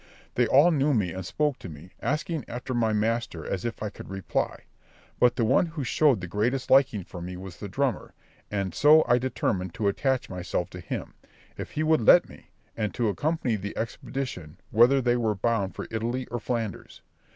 They all knew me and spoke to me, asking after my master as if I could reply; but the one who showed the greatest liking for me was the drummer, and so I determined to attach myself to him, if he would let me, and to accompany the expedition whether they were bound for Italy or Flanders.